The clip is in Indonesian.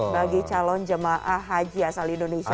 kepastian jamaah haji asal indonesia